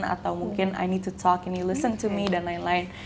atau mungkin i need to talk can you listen to me dan lain lain